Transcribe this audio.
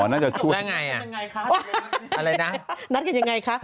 อะไรนะนัดกันยังไงคะ